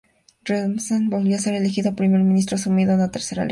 Rasmussen volvió a ser elegido Primer Ministro, asumiendo una tercera legislatura.